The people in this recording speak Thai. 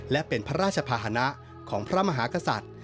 และเป็นพระราชภาษณะของพระมหากษัตริย์